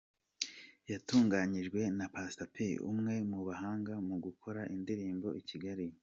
Yatunganyijwe na Pastor P umwe mu bahanga mu gukora indirimbo i Kigali.